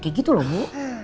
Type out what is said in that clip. kayak gitu loh bu